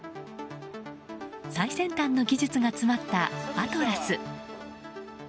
最先端の技術が詰まったアトラス。